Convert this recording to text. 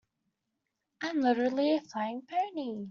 I'm literally a flying pony.